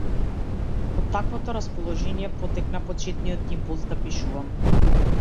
Од таквото расположение потекна почетниот импулс да пишувам.